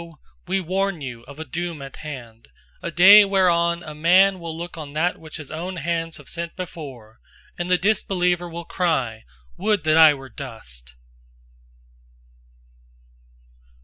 We warn you of a doom at hand, a day whereon a man will look on that which his own hands have sent before, and the disbeliever will cry: "Would that I were dust!"